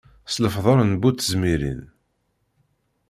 S lefḍel n bu tezmirin.